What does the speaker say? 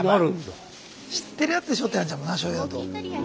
知ってるやつでしょってなっちゃうもんな醤油だと。